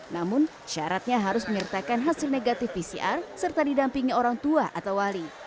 namun syaratnya harus menyertakan hasil negatif pcr serta didampingi orang tua atau wali